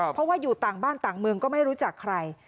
เพราะว่าอยู่ต่างบ้านต่างเมืองก็ไม่รู้จักใคร